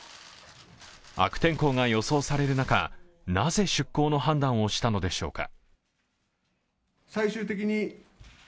悪天候が予想される中、なぜ出港の判断をしたのでしょうか。